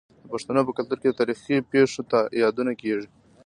د پښتنو په کلتور کې د تاریخي پیښو یادونه کیږي.